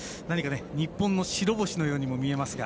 日本の白星のように見えますが。